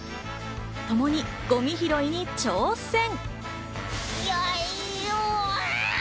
ともにゴミ拾いに挑戦。